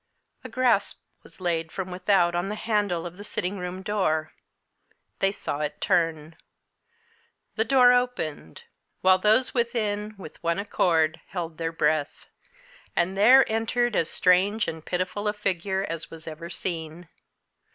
A grasp was laid from without on the handle of the sitting room door. They saw it turn. The door opened while those within, with one accord, held their breath. And there entered as strange and pitiful a figure as was ever seen.